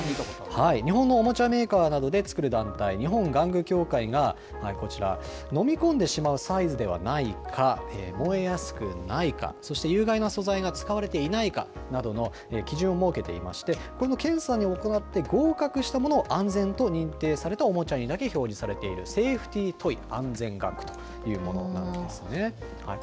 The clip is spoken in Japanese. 日本のおもちゃメーカーなどで作る団体、日本玩具協会がこちら、飲み込んでしまうサイズではないか、燃えやすくないか、そして有害な素材が使われていないかなどの、基準を設けていまして、この検査を行って合格したものを安全と認定されたおもちゃにだけ表示されている、セーフティートイ・安全玩具というものなんですね。